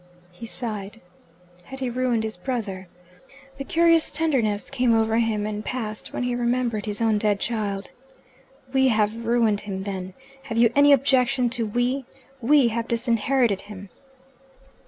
He sighed. Had he ruined his brother? A curious tenderness came over him, and passed when he remembered his own dead child. "We have ruined him, then. Have you any objection to 'we'? We have disinherited him."